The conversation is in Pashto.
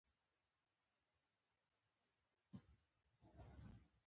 احمد په جرګه کې له محمود ځمکه وګټله.